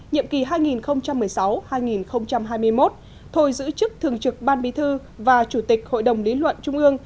nhiệm kỳ hai nghìn một mươi sáu hai nghìn hai mươi một thôi giữ chức thường trực ban bí thư và chủ tịch hội đồng lý luận trung ương